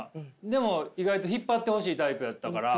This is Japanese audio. でも意外と引っ張ってほしいタイプやったから。